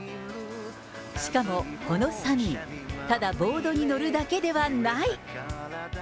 しかもこのサミー、ただボードに乗るだけではない。